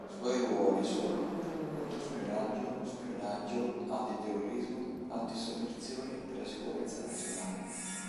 I suoi ruoli sono: controspionaggio, spionaggio, antiterrorismo, anti-sovversioni per la sicurezza nazionale.